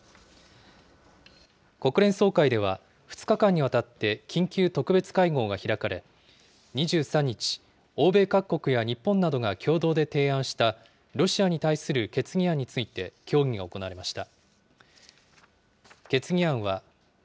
国連総会では、２日間にわたって緊急特別会合が開かれ、２３日、欧米各国や日本などが共同で提案した、ロシアに対する決議案について協議が行われました。